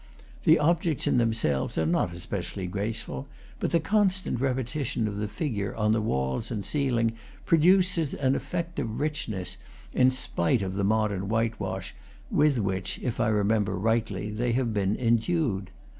The objects in themselves are not especially graceful; but the constant repetition of the figure on the walls and ceiling produces an effect of richness, in spite of the modern whitewash with which, if I remember rightly, they have been endued.